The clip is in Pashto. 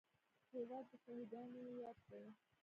هېواد د شهیدانو یاد دی.